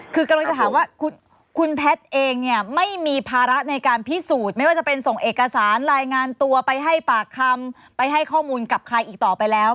คือกำลังจะถามว่าคุณแพทย์เองเนี่ยไม่มีภาระในการพิสูจน์ไม่ว่าจะเป็นส่งเอกสารรายงานตัวไปให้ปากคำไปให้ข้อมูลกับใครอีกต่อไปแล้ว